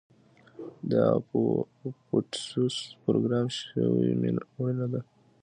د اپوپټوسس پروګرام شوې مړینه ده.